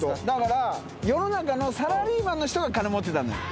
だから世の中のサラリーマンの人が金持ってたの。